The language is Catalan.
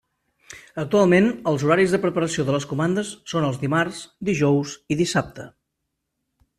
Actualment els horaris de preparació de les comandes són els dimarts, dijous i dissabte.